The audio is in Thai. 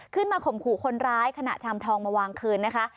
ข่มขู่คนร้ายขณะทำทองมาวางคืนนะคะ